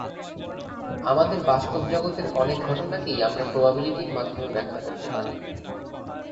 আমাদের বাস্তব জগতের অনেক ঘটনাকেই আমরা প্রবাবিলিটির মাধ্যমে ব্যাখ্যা করতে পারি।